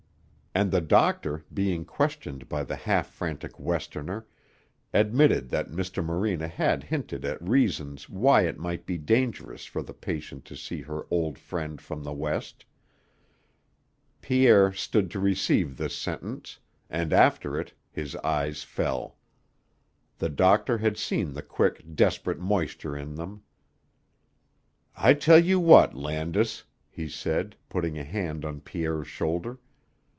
And the doctor, being questioned by the half frantic Westerner, admitted that Mr. Morena had hinted at reasons why it might be dangerous for the patient to see her old friend from the West. Pierre stood to receive this sentence, and after it, his eyes fell. The doctor had seen the quick, desperate moisture in them. "I tell you what, Landis," he said, putting a hand on Pierre's shoulder.